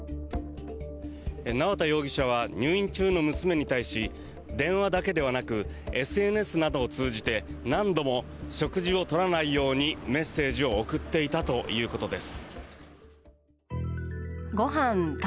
縄田容疑者は入院中の娘に対し電話だけではなくＳＮＳなどを通じて何度も食事を取らないようにメッセージを送っていたということです。